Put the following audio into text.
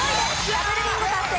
ダブルビンゴ達成。